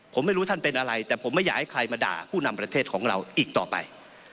ผมไม่รู้ท่านเป็นอะไรแต่ผมไม่อยากให้ใครมาด่าผู้นำประเทศของเราอีกต่อไป